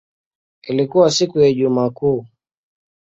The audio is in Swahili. Ilikuwa siku ya Ijumaa Kuu.